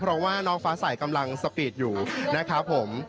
เพราะว่าน้องฟ้าใสกำลังสปีดอยู่นะครับผม